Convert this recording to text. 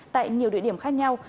tại nhiều địa điểm khác nhau